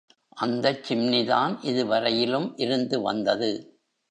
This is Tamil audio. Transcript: அந்தச் சிம்னி தான் இதுவரையிலும் இருந்து வந்தது.